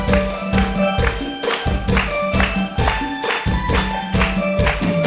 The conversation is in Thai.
อินโทรมาก็เยอะกว่าสมควร